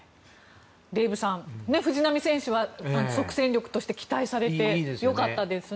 デーブさん藤浪選手は即戦力として期待されて良かったですね。